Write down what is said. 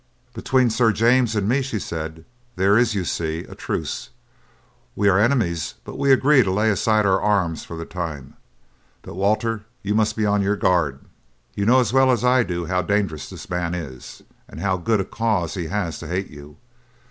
"Between Sir James and me," she said, "there is, you see, a truce. We are enemies, but, we agree to lay aside our arms for the time. But, Walter, you must be on your guard. "You know as well as I do how dangerous this man is, and how good a cause he has to hate you.